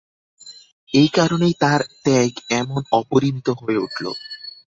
এই কারণেই তার ত্যাগ এমন অপরিমিত হয়ে উঠল।